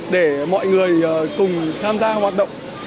để mọi người cùng tham gia hoạt động